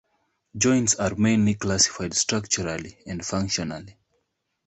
Joints are mainly classified structurally and functionally.